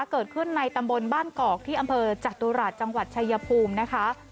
เกิดขึ้นในตำบลบ้านกอกที่อำเภอจตุราชจังหวัดชายภูมินะคะ